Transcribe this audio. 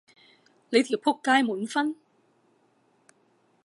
你條僕街滿分？